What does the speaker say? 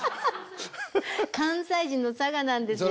関西人のさがなんですよ。